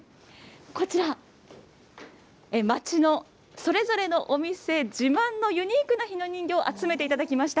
こちら、街のそれぞれのお店自慢のユニークなひな人形を集めていただきました。